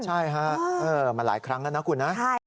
ใช่ฮะมันหลายครั้งแล้วนะคุณนะ